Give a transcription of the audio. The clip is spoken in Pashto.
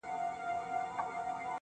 مورې بيا نو ولې ته، ماته توروې سترگې